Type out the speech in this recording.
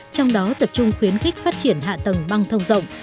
trong đó tập trung khuyến khích phát triển hạ tầng băng thông rộng